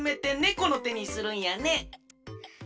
このてにするんやね。